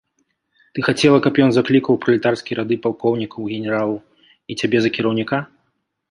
Ты хацела, каб ён заклікаў у пралетарскія рады палкоўнікаў, генералаў і цябе за кіраўніка?